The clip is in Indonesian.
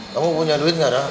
kamu punya duit enggak ada